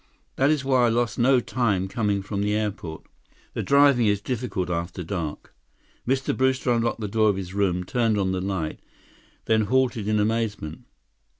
"That is why I lost no time coming from the airport. The driving is difficult after dark." Mr. Brewster unlocked the door of his room, turned on the light, then halted in amazement.